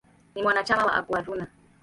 Ni mwanachama wa "Aguaruna".